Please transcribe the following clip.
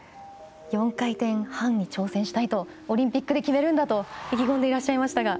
４回転半に挑戦したいとオリンピックで決めるんだと意気込んでいらっしゃいました。